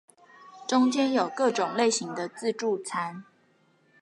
中間有各種類型的自助餐